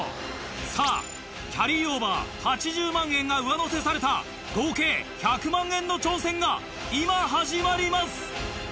さぁキャリーオーバー８０万円が上乗せされた合計１００万円の挑戦が今始まります！